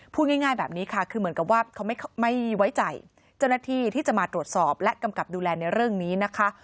พูดง่ายแบบนี้ค่ะคือเหมือนกับว่าเขาไม่ไว้ใจเจ้าหน้าที่ที่จะมาตรวจสอบและกำกับดูแลในเรื่องนี้นะคะ